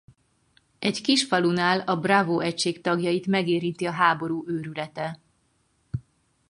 Egy kis falunál a Bravo egység tagjait megérinti a háború őrülete.